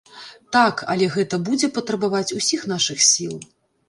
Так, але гэта будзе патрабаваць усіх нашых сіл.